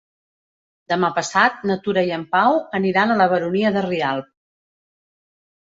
Demà passat na Tura i en Pau aniran a la Baronia de Rialb.